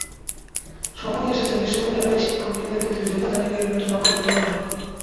সময় এসেছে বিশ্ববিদ্যালয়ে শিক্ষক নিয়োগের ক্ষেত্রে যোগ্যতা নির্ণয়ের নতুন মাপকাঠি প্রণয়নের।